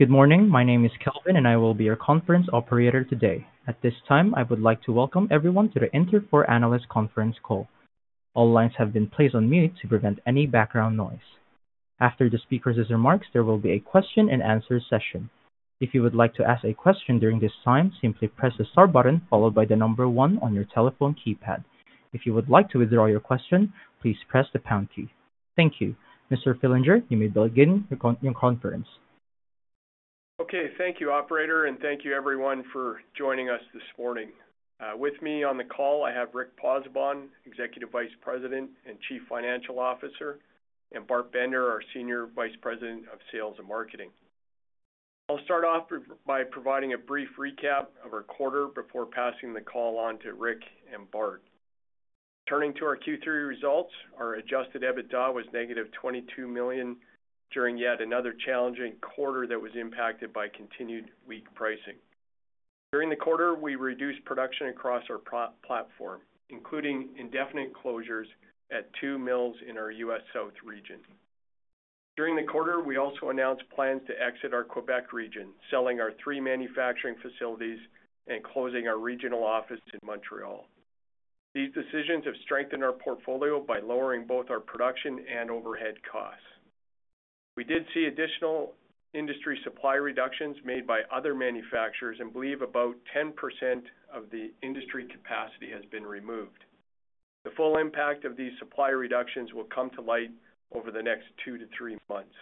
Good morning. My name is Kelvin, and I will be your conference operator today. At this time, I would like to welcome everyone to the Interfor Analysts Conference call. All lines have been placed on mute to prevent any background noise. After the speaker's remarks, there will be a question-and-answer session. If you would like to ask a question during this time, simply press the star button followed by the number one on your telephone keypad. If you would like to withdraw your question, please press the pound key. Thank you. Mr. Fillinger, you may begin your conference. Okay. Thank you, Operator, and thank you, everyone, for joining us this morning. With me on the call, I have Rick Pozzebon, Executive Vice President and Chief Financial Officer, and Bart Bender, our Senior Vice President of Sales and Marketing. I'll start off by providing a brief recap of our quarter before passing the call on to Rick and Bart. Turning to our Q3 results, our adjusted EBITDA was negative 22 million during yet another challenging quarter that was impacted by continued weak pricing. During the quarter, we reduced production across our platform, including indefinite closures at two mills in our US South region. During the quarter, we also announced plans to exit our Quebec region, selling our three manufacturing facilities and closing our regional office in Montreal. These decisions have strengthened our portfolio by lowering both our production and overhead costs. We did see additional industry supply reductions made by other manufacturers, and believe about 10% of the industry capacity has been removed. The full impact of these supply reductions will come to light over the next two to three months.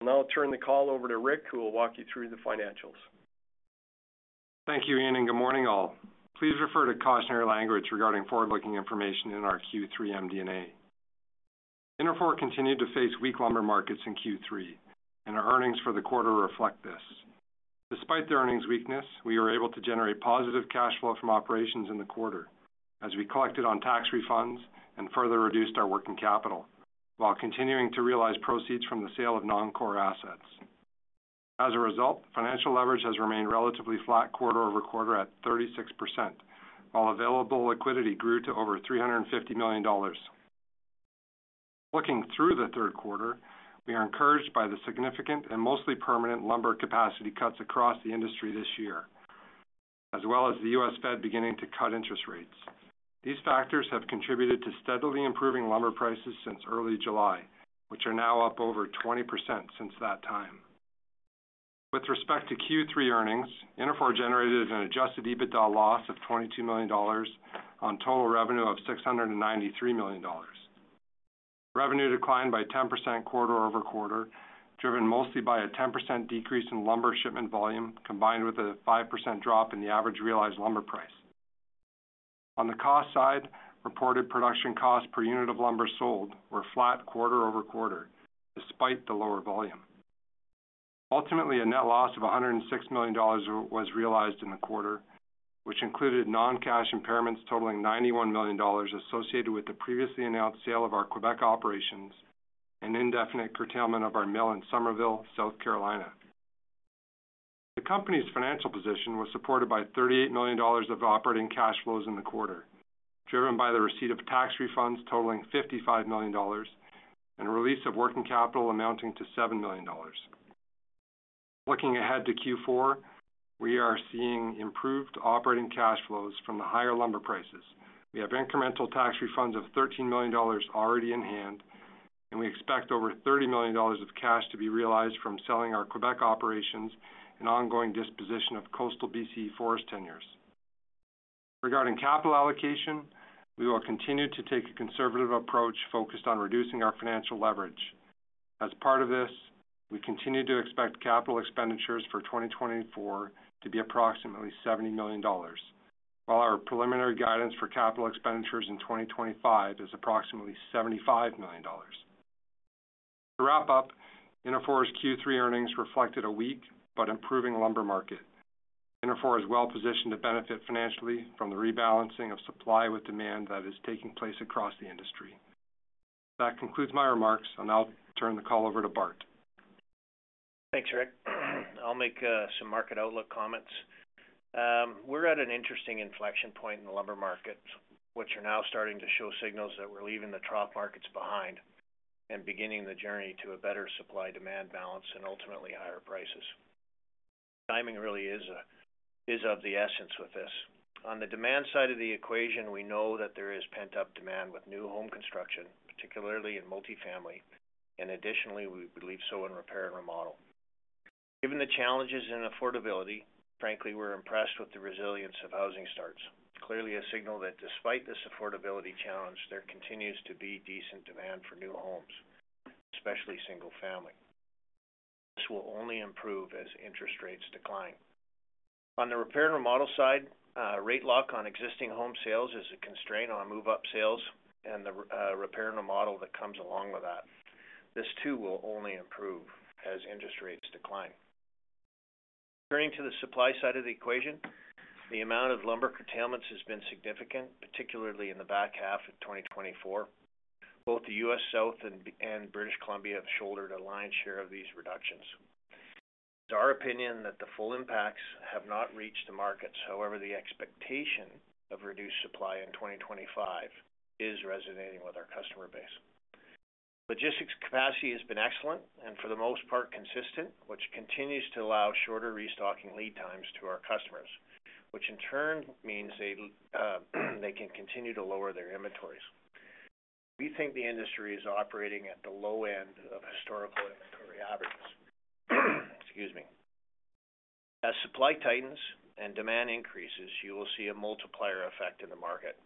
I'll now turn the call over to Rick, who will walk you through the financials. Thank you, Ian, and good morning, all. Please refer to cautionary language regarding forward-looking information in our Q3 MD&A. Interfor continued to face weak lumber markets in Q3, and our earnings for the quarter reflect this. Despite the earnings weakness, we were able to generate positive cash flow from operations in the quarter as we collected on tax refunds and further reduced our working capital while continuing to realize proceeds from the sale of non-core assets. As a result, financial leverage has remained relatively flat quarter over quarter at 36%, while available liquidity grew to over 350 million dollars. Looking through the third quarter, we are encouraged by the significant and mostly permanent lumber capacity cuts across the industry this year, as well as the US Fed beginning to cut interest rates. These factors have contributed to steadily improving lumber prices since early July, which are now up over 20% since that time. With respect to Q3 earnings, Interfor generated an adjusted EBITDA loss of $22 million on total revenue of $693 million. Revenue declined by 10% quarter over quarter, driven mostly by a 10% decrease in lumber shipment volume combined with a 5% drop in the average realized lumber price. On the cost side, reported production costs per unit of lumber sold were flat quarter over quarter despite the lower volume. Ultimately, a net loss of $106 million was realized in the quarter, which included non-cash impairments totaling $91 million associated with the previously announced sale of our Quebec operations and indefinite curtailment of our mill in Summerville, South Carolina. The company's financial position was supported by $38 million of operating cash flows in the quarter, driven by the receipt of tax refunds totaling $55 million and a release of working capital amounting to $7 million. Looking ahead to Q4, we are seeing improved operating cash flows from the higher lumber prices. We have incremental tax refunds of $13 million already in hand, and we expect over $30 million of cash to be realized from selling our Quebec operations and ongoing disposition of coastal BC forest tenures. Regarding capital allocation, we will continue to take a conservative approach focused on reducing our financial leverage. As part of this, we continue to expect capital expenditures for 2024 to be approximately $70 million, while our preliminary guidance for capital expenditures in 2025 is approximately $75 million. To wrap up, Interfor's Q3 earnings reflected a weak but improving lumber market. Interfor is well positioned to benefit financially from the rebalancing of supply with demand that is taking place across the industry. That concludes my remarks. I'll now turn the call over to Bart. Thanks, Rick. I'll make some market outlook comments. We're at an interesting inflection point in the lumber market, which are now starting to show signals that we're leaving the trough markets behind and beginning the journey to a better supply-demand balance and ultimately higher prices. Timing really is of the essence with this. On the demand side of the equation, we know that there is pent-up demand with new home construction, particularly in multifamily, and additionally, we believe so in repair and remodel. Given the challenges in affordability, frankly, we're impressed with the resilience of housing starts. Clearly a signal that despite this affordability challenge, there continues to be decent demand for new homes, especially single-family. This will only improve as interest rates decline. On the repair and remodel side, rate lock on existing home sales is a constraint on move-up sales and the repair and remodel that comes along with that. This too will only improve as interest rates decline. Turning to the supply side of the equation, the amount of lumber curtailments has been significant, particularly in the back half of 2024. Both the US South and British Columbia have shouldered a lion's share of these reductions. It's our opinion that the full impacts have not reached the markets. However, the expectation of reduced supply in 2025 is resonating with our customer base. Logistics capacity has been excellent and for the most part consistent, which continues to allow shorter restocking lead times to our customers, which in turn means they can continue to lower their inventories. We think the industry is operating at the low end of historical inventory averages. Excuse me. As supply tightens and demand increases, you will see a multiplier effect in the market,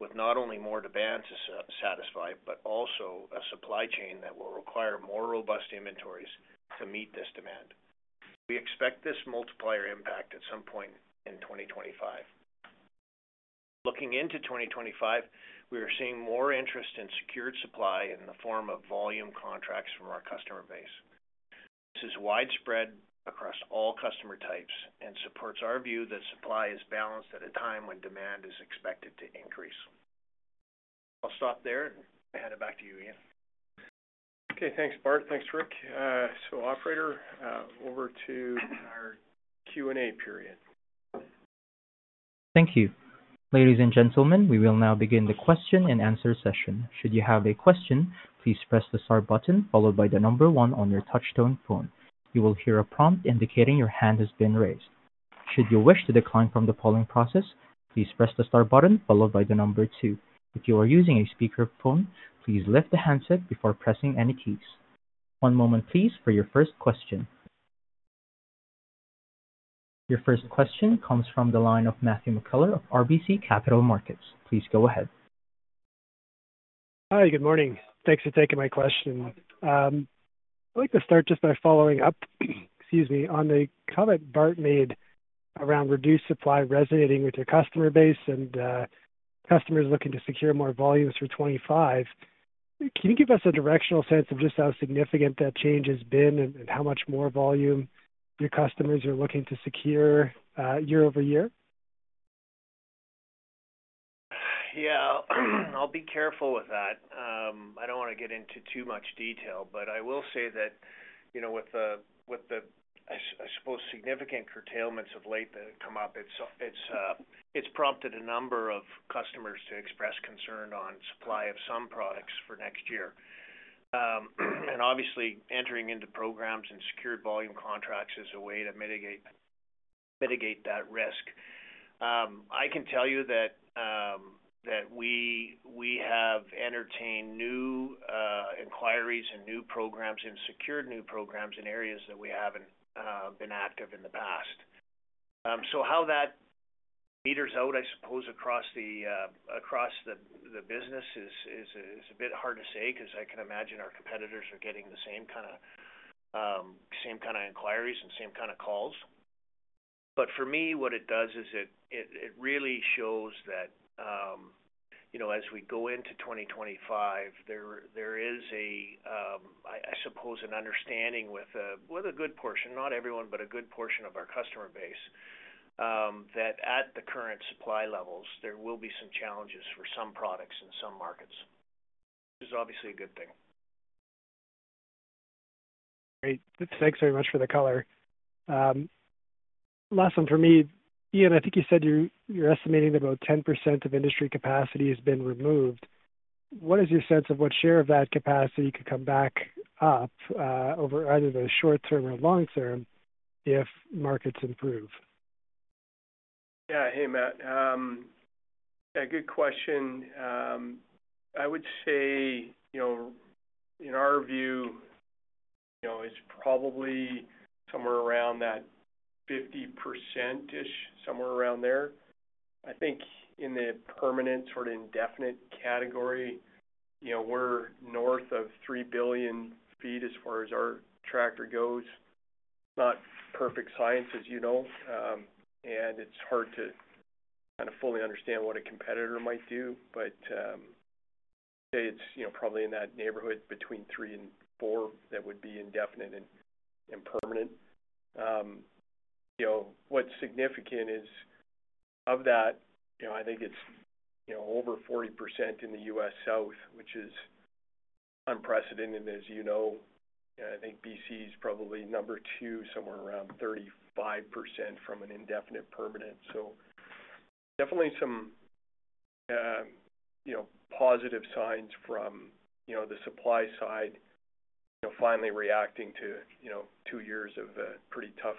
with not only more demand to satisfy but also a supply chain that will require more robust inventories to meet this demand. We expect this multiplier impact at some point in 2025. Looking into 2025, we are seeing more interest in secured supply in the form of volume contracts from our customer base. This is widespread across all customer types and supports our view that supply is balanced at a time when demand is expected to increase. I'll stop there and hand it back to you, Ian. Okay. Thanks, Bart. Thanks, Rick. So, Operator, over to our Q&A period. Thank you. Ladies and gentlemen, we will now begin the question-and-answer session. Should you have a question, please press the star button followed by the number one on your touch-tone phone. You will hear a prompt indicating your hand has been raised. Should you wish to withdraw from the following process, please press the star button followed by the number two. If you are using a speakerphone, please lift the handset before pressing any keys. One moment, please, for your first question. Your first question comes from the line of Matthew McKellar of RBC Capital Markets. Please go ahead. Hi. Good morning. Thanks for taking my question. I'd like to start just by following up, excuse me, on the comment Bart made around reduced supply resonating with your customer base and customers looking to secure more volumes for 2025. Can you give us a directional sense of just how significant that change has been and how much more volume your customers are looking to secure year over year? Yeah. I'll be careful with that. I don't want to get into too much detail, but I will say that with the, I suppose, significant curtailments of late that have come up, it's prompted a number of customers to express concern on supply of some products for next year. And obviously, entering into programs and secured volume contracts is a way to mitigate that risk. I can tell you that we have entertained new inquiries and secured new programs in areas that we haven't been active in the past. So how that meters out, I suppose, across the business is a bit hard to say because I can imagine our competitors are getting the same kind of inquiries and same kind of calls. But for me, what it does is it really shows that as we go into 2025, there is, I suppose, an understanding with a good portion, not everyone, but a good portion of our customer base that at the current supply levels, there will be some challenges for some products in some markets, which is obviously a good thing. Great. Thanks very much for the color. Last one for me. Ian, I think you said you're estimating that about 10% of industry capacity has been removed. What is your sense of what share of that capacity could come back up either the short term or long term if markets improve? Yeah. Hey, Matt. Yeah. Good question. I would say in our view, it's probably somewhere around that 50%-ish, somewhere around there. I think in the permanent sort of indefinite category, we're north of 3 billion feet as far as our tracking goes. Not perfect science, as you know, and it's hard to kind of fully understand what a competitor might do, but I'd say it's probably in that neighborhood between three and four that would be indefinite and permanent. What's significant is of that, I think it's over 40% in the US South, which is unprecedented. As you know, I think BC is probably number two, somewhere around 35% from an indefinite permanent. Definitely some positive signs from the supply side finally reacting to two years of a pretty tough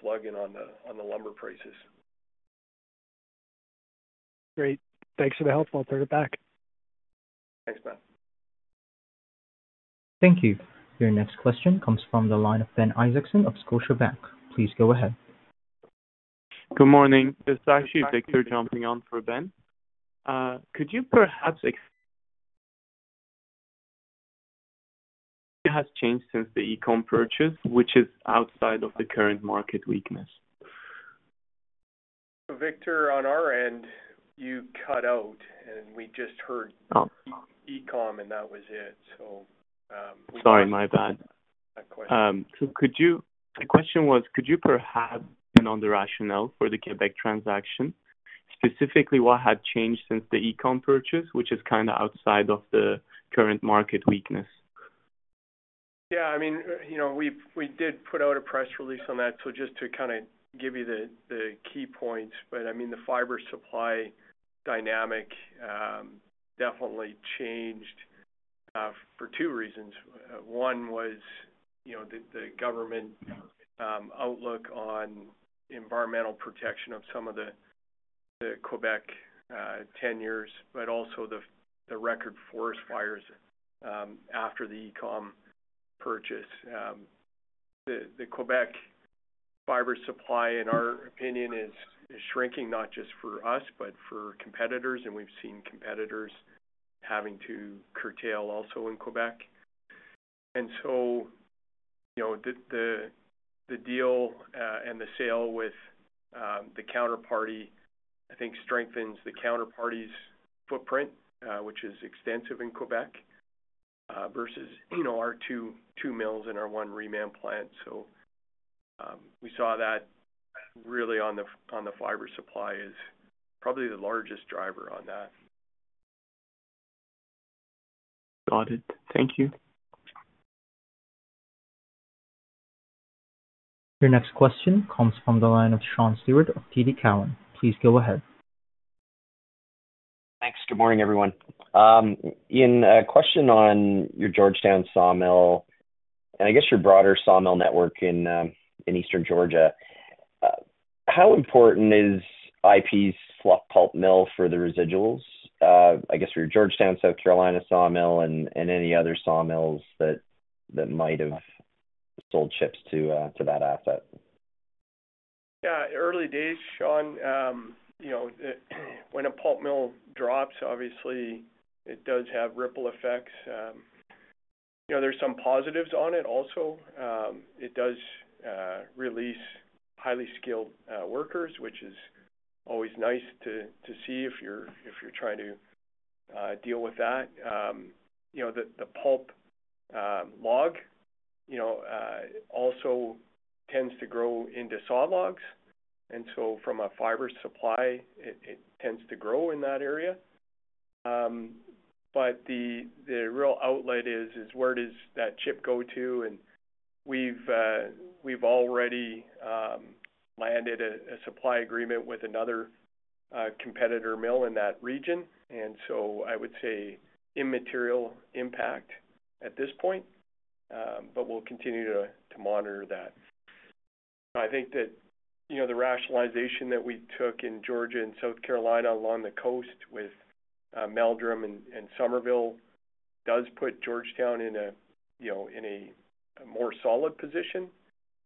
slugging on the lumber prices. Great. Thanks for the help. I'll turn it back. Thanks, Matt. Thank you. Your next question comes from the line of Ben Isaacson of Scotiabank. Please go ahead. Good morning. This is actually Victor jumping on for Ben. Could you perhaps explain what has changed since the EACOM purchase, which is outside of the current market weakness? So, Victor, on our end, you cut out, and we just heard EACOM, and that was it. So. Sorry, my bad. So the question was, could you perhaps explain the rationale for the Quebec transaction? Specifically, what had changed since the EACOM purchase, which is kind of outside of the current market weakness? Yeah. I mean, we did put out a press release on that. So just to kind of give you the key points, but I mean, the fiber supply dynamic definitely changed for two reasons. One was the government outlook on environmental protection of some of the Quebec tenures, but also the record forest fires after the EACOM purchase. The Quebec fiber supply, in our opinion, is shrinking not just for us, but for competitors, and we've seen competitors having to curtail also in Quebec. And so the deal and the sale with the counterparty, I think, strengthens the counterparty's footprint, which is extensive in Quebec versus our two mills and our one reman plant. So we saw that really on the fiber supply is probably the largest driver on that. Got it. Thank you. Your next question comes from the line of Sean Steuart of TD Cowen. Please go ahead. Thanks. Good morning, everyone. Ian, a question on your Georgetown sawmill and I guess your broader sawmill network in Eastern Georgia. How important is IP's fluff pulp mill for the residuals? I guess for your Georgetown, South Carolina sawmill and any other sawmills that might have sold chips to that asset? Yeah. Early days, Sean, when a pulp mill drops, obviously, it does have ripple effects. There's some positives on it also. It does release highly skilled workers, which is always nice to see if you're trying to deal with that. The pulp log also tends to grow into saw logs. And so from a fiber supply, it tends to grow in that area. But the real outlet is, where does that chip go to? And we've already landed a supply agreement with another competitor mill in that region. And so I would say immaterial impact at this point, but we'll continue to monitor that. I think that the rationalization that we took in Georgia and South Carolina along the coast with Meldrim and Summerville does put Georgetown in a more solid position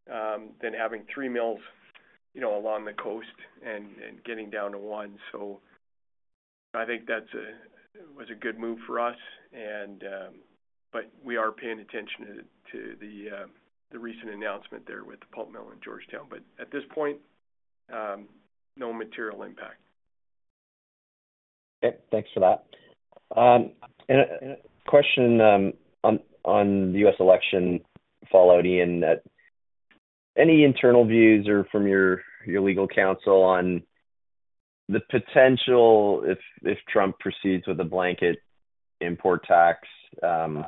than having three mills along the coast and getting down to one. So I think that was a good move for us. But we are paying attention to the recent announcement there with the pulp mill in Georgetown. But at this point, no material impact. Okay. Thanks for that. And a question on the U.S. election for Ian, that any internal views or from your legal counsel on the potential, if Trump proceeds with a blanket import tax of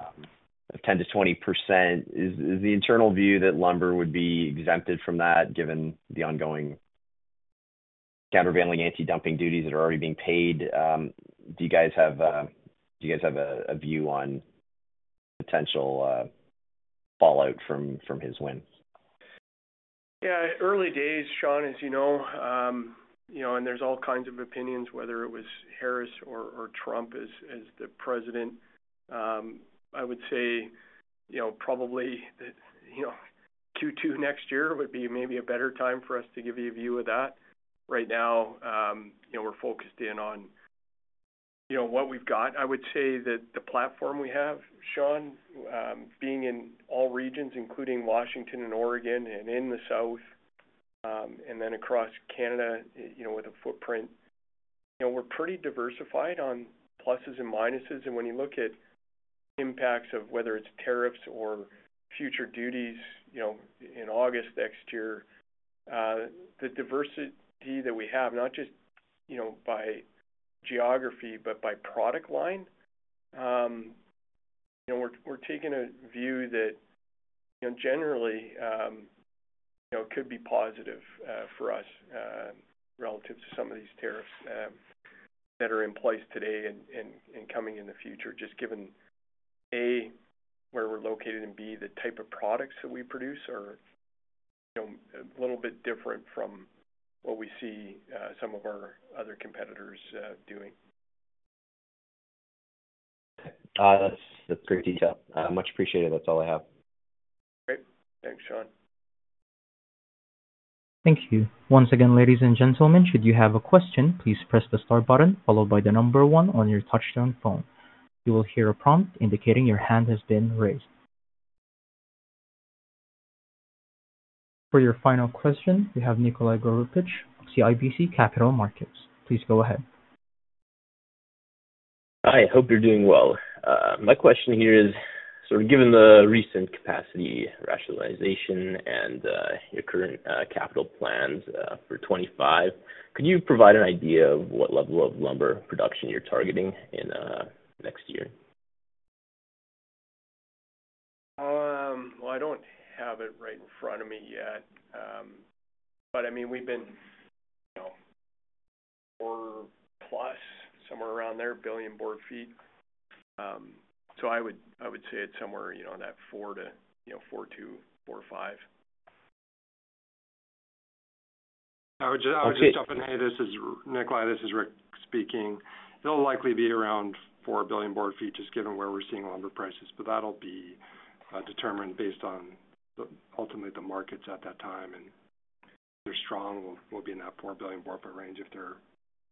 10%-20%, is the internal view that lumber would be exempted from that given the ongoing countervailing anti-dumping duties that are already being paid? Do you guys have a view on the potential fallout from his win? Yeah. Early days, Sean, as you know, and there's all kinds of opinions, whether it was Harris or Trump as the president. I would say probably Q2 next year would be maybe a better time for us to give you a view of that. Right now, we're focused in on what we've got. I would say that the platform we have, Sean, being in all regions, including Washington and Oregon and in the South and then across Canada with a footprint, we're pretty diversified on pluses and minuses. And when you look at impacts of whether it's tariffs or future duties in August next year, the diversity that we have, not just by geography but by product line, we're taking a view that generally could be positive for us relative to some of these tariffs that are in place today and coming in the future, just given, A, where we're located and, B, the type of products that we produce are a little bit different from what we see some of our other competitors doing. That's great detail. Much appreciated. That's all I have. Great. Thanks, Sean. Thank you. Once again, ladies and gentlemen, should you have a question, please press the star button followed by the number one on your touch-tone phone. You will hear a prompt indicating your hand has been raised. For your final question, we have Nikolai Gourov of CIBC Capital Markets. Please go ahead. Hi. I hope you're doing well. My question here is, sort of given the recent capacity rationalization and your current capital plans for 2025, could you provide an idea of what level of lumber production you're targeting in next year? I don't have it right in front of me yet, but I mean, we've been four plus, somewhere around there, billion board feet, so I would say it's somewhere in that four to four to four or five. I would just jump in here. This is Nikolai. This is Rick speaking. It'll likely be around four billion board feet just given where we're seeing lumber prices, but that'll be determined based on ultimately the markets at that time, and if they're strong, we'll be in that four billion board foot range. If their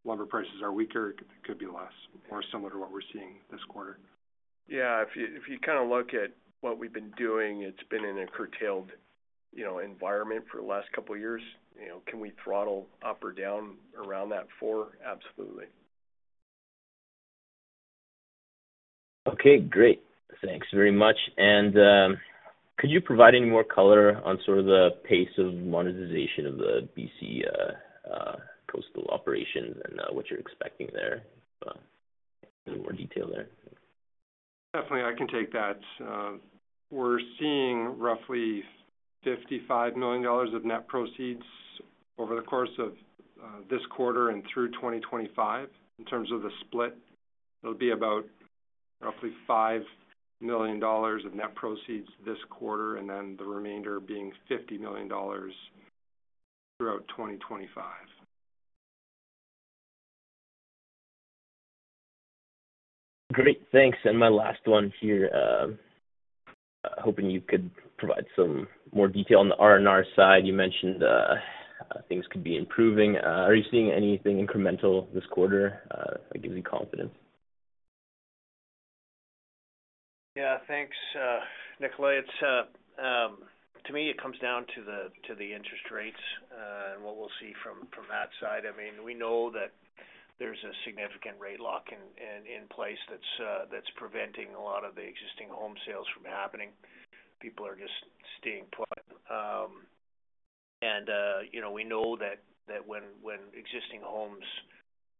lumber prices are weaker, it could be less, more similar to what we're seeing this quarter. Yeah. If you kind of look at what we've been doing, it's been in a curtailed environment for the last couple of years. Can we throttle up or down around that four? Absolutely. Okay. Great. Thanks very much, and could you provide any more color on sort of the pace of monetization of the BC coastal operations and what you're expecting there? Any more detail there? Definitely. I can take that. We're seeing roughly $55 million of net proceeds over the course of this quarter and through 2025. In terms of the split, it'll be about roughly $5 million of net proceeds this quarter and then the remainder being $50 million throughout 2025. Great. Thanks. And my last one here, hoping you could provide some more detail on the R&R side. You mentioned things could be improving. Are you seeing anything incremental this quarter that gives you confidence? Yeah. Thanks, Nikolai. To me, it comes down to the interest rates and what we'll see from that side. I mean, we know that there's a significant rate lock in place that's preventing a lot of the existing home sales from happening. People are just staying put. And we know that when existing homes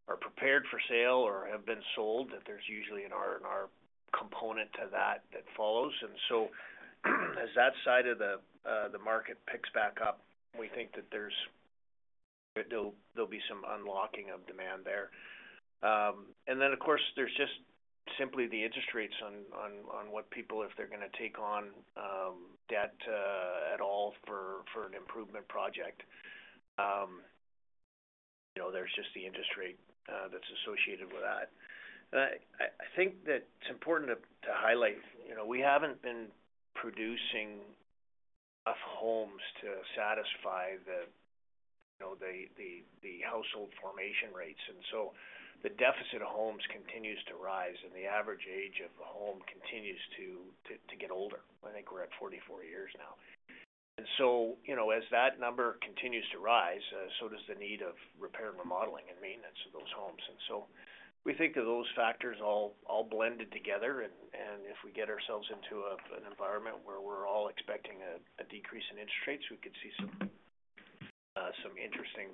are prepared for sale or have been sold, that there's usually an R&R component to that that follows. And so as that side of the market picks back up, we think that there'll be some unlocking of demand there. And then, of course, there's just simply the interest rates on what people, if they're going to take on debt at all for an improvement project. There's just the interest rate that's associated with that. I think that it's important to highlight we haven't been producing enough homes to satisfy the household formation rates. And so the deficit of homes continues to rise, and the average age of a home continues to get older. I think we're at 44 years now. And so as that number continues to rise, so does the need of repair and remodeling and maintenance of those homes. And so we think that those factors all blended together. And if we get ourselves into an environment where we're all expecting a decrease in interest rates, we could see some interesting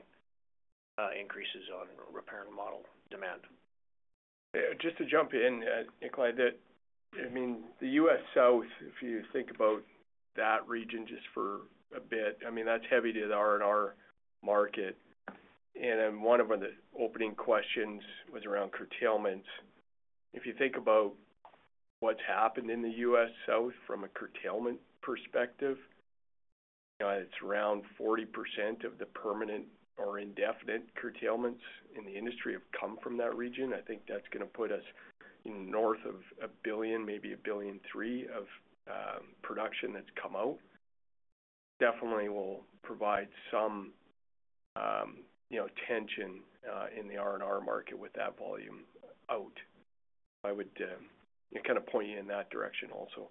increases on repair and remodel demand. Just to jump in, Nikolai. I mean, the US South, if you think about that region just for a bit, I mean, that's heavy to the R&R market, and one of the opening questions was around curtailments. If you think about what's happened in the US South from a curtailment perspective, it's around 40% of the permanent or indefinite curtailments in the industry have come from that region. I think that's going to put us north of a billion, maybe a billion three of production that's come out. Definitely will provide some tension in the R&R market with that volume out. I would kind of point you in that direction also.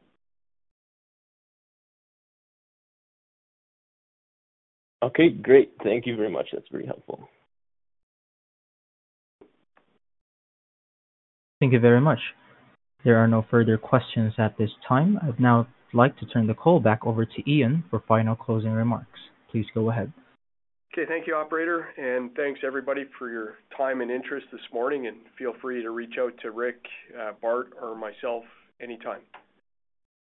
Okay. Great. Thank you very much. That's very helpful. Thank you very much. There are no further questions at this time. I'd now like to turn the call back over to Ian for final closing remarks. Please go ahead. Okay. Thank you, operator. And thanks, everybody, for your time and interest this morning. And feel free to reach out to Rick, Bart, or myself anytime.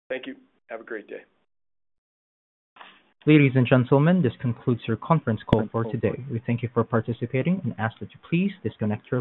Thank you. Have a great day. Ladies and gentlemen, this concludes your conference call for today. We thank you for participating and ask that you please disconnect from.